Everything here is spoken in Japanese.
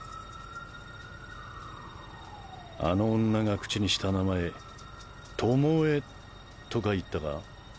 あの女が口にした名前「トモエ」とか言ったか？